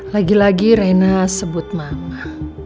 lagi lagi rena sebut mama